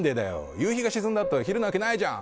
夕日が沈んだって昼なわけないじゃん。